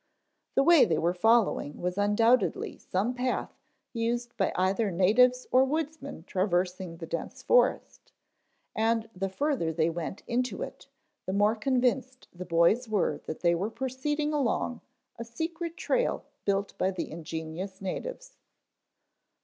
The way they were following was undoubtedly some path used by either natives or woodsmen traversing the dense forest, and the further they went into it, the more convinced the boys were that they were proceeding along a secret trail built by the ingenious natives.